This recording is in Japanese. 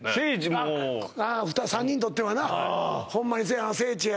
もうああ３人にとってはなはいホンマにせや